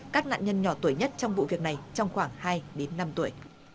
các nạn nhân nhỏ tuổi nhất trong vụ việc này trong khoảng hai đến năm tuổi